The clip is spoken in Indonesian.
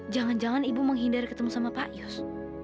jangan jangan ibu menghindari ketemu sama pak yus